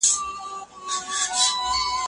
ایا افغان سوداګر جلغوزي پلوري؟